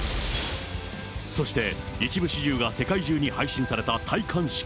そして、一部始終が世界中に配信された戴冠式。